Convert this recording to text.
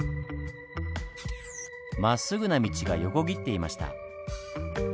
まっすぐな道が横切っていました。